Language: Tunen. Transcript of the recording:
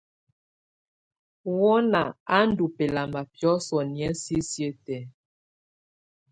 Wɔna á ndù bɛlama biɔ̀sɔ̀ nɛ̀á sisiǝ́ tɛ̀á.